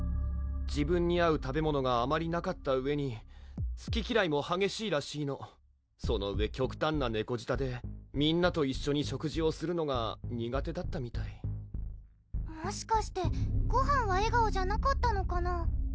自分に合う食べ物があまりなかったうえにすききらいもはげしいらしいのそのうえ極端な猫舌でみんなと一緒に食事をするのが苦手だったみたいもしかしてごはんは笑顔じゃなかったのかな